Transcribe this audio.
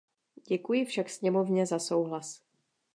Děkuji však sněmovně za souhlas.